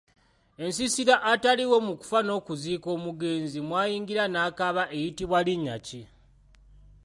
Ensiisira ataaliwo mu kufa n’okuziika omugenzi mwayingira n’akaaba eyitibwa linnya ki?.